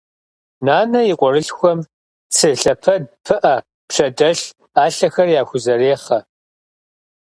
Нанэ и къуэрылъхухэм цы лъэпэд, пыӏэ, пщэдэлъ, ӏэлъэхэр яхузэрехъэ.